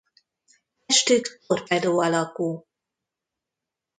Testük torpedó alakú.